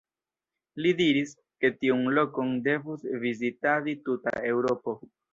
Li diris, ke tiun lokon devus vizitadi tuta Eŭropo.